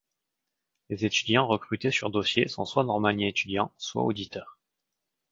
Les étudiants recrutés sur dossier sont soit normaliens-étudiants, soit auditeurs.